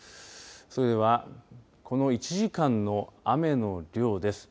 それではこの１時間の雨の量です。